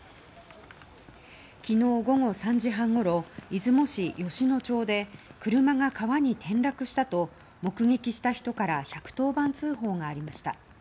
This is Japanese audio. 昨日午後３時半ごろ出雲市美野町で車が川に転落したと目撃した人から１１０番通報がありました。